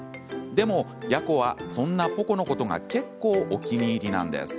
でも、ヤコはそんなポコのことが結構お気に入りなんです。